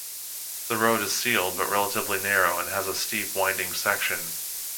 The road is sealed but relatively narrow and has a steep winding section.